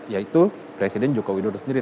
yaitu presiden joko widodo sendiri